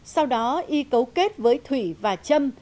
sau đó y cấu kết với thủy và trâm